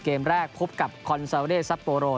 เกมแรกพบกับคอนซาเร่ซัปโปโร